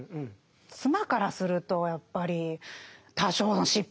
妻からするとやっぱり多少の失敗はあります